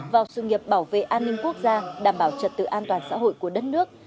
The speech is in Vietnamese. vào sự nghiệp bảo vệ an ninh quốc gia đảm bảo trật tự an toàn xã hội của đất nước